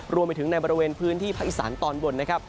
รวมไปถึงในบริเวณพื้นที่ภาคอีสานตอนบนนะครับ